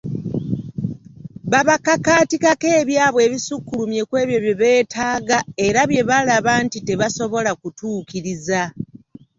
Babakakaatikako ebyabwe ebisukkulumye ku ebyo bye beetaaga era bye balaba nti tebasobola kutuukiriza.